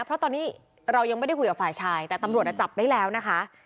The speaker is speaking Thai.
เพราะตอนนี้เรายังไม่ได้คุยกับฝ่ายชายแต่ตำรวจจับได้แล้วนะคะ